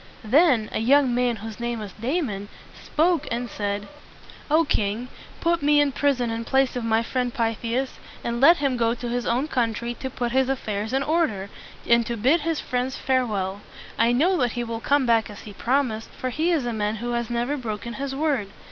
Then a young man whose name was Da mon spoke and said, "O king! put me in prison in place of my friend Pyth i as, and let him go to his own country to put his affairs in order, and to bid his friends fare well. I know that he will come back as he promised, for he is a man who has never broken his word.